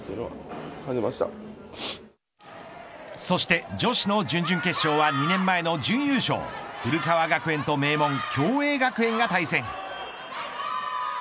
そして女子の準々決勝は２年前の準優勝、古川学園と名門、共栄学園が対戦。